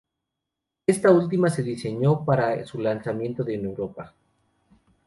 Esta última se diseñó para su lanzamiento en Europa.